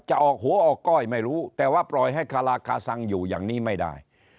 ออกหัวออกก้อยไม่รู้แต่ว่าปล่อยให้คาราคาซังอยู่อย่างนี้ไม่ได้